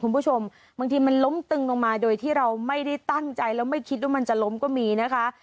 คุณผู้ชมบางทีมันล้มตึงลงมาโดยที่เราไม่ได้ตั้งใจแล้วไม่คิดว่ามันจะล้มก็มีนะคะ